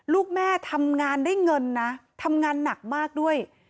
ลูกแม่ทำงานได้เงินนะทำงานหนักมากด้วย